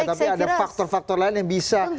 tapi ada faktor faktor lain yang bisa